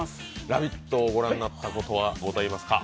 「ラヴィット！」を御覧になったことはございますか？